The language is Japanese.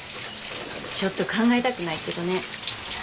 ちょっと考えたくないけどね。